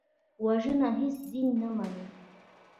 وژنه هېڅ دین نه مني